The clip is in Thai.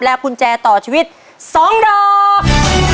และกุญแจต่อชีวิตสองดอก